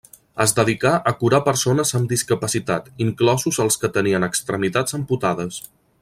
Es dedicà a curar persones amb discapacitat, inclosos els que tenien extremitats amputades.